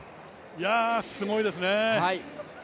いや、すごいですね。